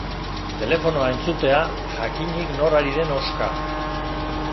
Telefonoa entzutea, jakinik nor ari den hoska.